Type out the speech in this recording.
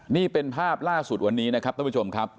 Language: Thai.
นี่เป็นภาพล่าสุดวันนี้นะครับท่านผู้ชมครับ